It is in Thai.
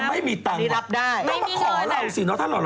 ไม่มีตังหรอมันมาขอเราน่ะท่านหล่อ